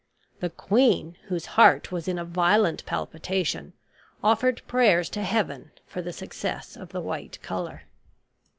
The queen, whose heart was in a violent palpitation, offered prayers to Heaven for the success of the white color.